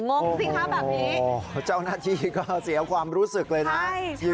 โอ้โหเจ้าหน้าที่ก็เสียความรู้สึกเลยนะ